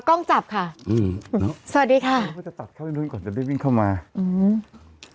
กล้องจับค่ะอืมสวัสดีค่ะมันจะตัดเข้าไปนู้นก่อนจะได้วิ่งเข้ามาอืม